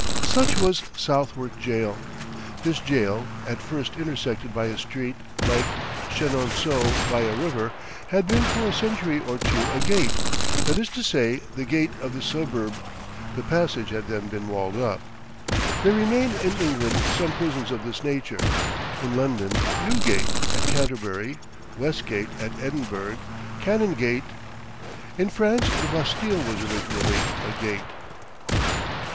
Such was Southwark Jail. This jail, at first intersected by a street, like Chenonceaux by a river, had been for a century or two a gate that is to say, the gate of the suburb; the passage had then been walled up. There remain in England some prisons of this nature. In London, Newgate; at Canterbury, Westgate; at Edinburgh, Canongate. In France the Bastile was originally a gate.